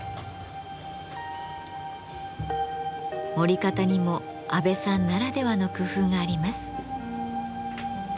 盛り方にも安倍さんならではの工夫があります。